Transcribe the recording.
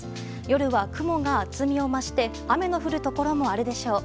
夜は雲が厚みを増して雨の降るところもあるでしょう。